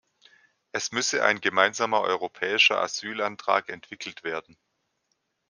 Es müsse ein gemeinsamer europäischer Asylantrag entwickelt werden.